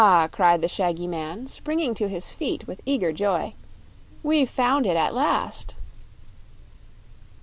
cried the shaggy man, springing to his feet with eager joy; "we've found it at last."